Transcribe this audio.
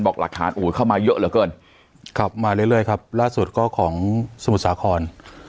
หลักฐานโอ้โหเข้ามาเยอะเหลือเกินครับมาเรื่อยครับล่าสุดก็ของสมุทรสาคร